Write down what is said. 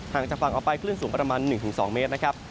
ห่างจากฝั่งออกไปคลื่นสูงประมาณ๑๒เมตร